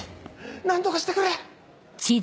何とかしてくれ！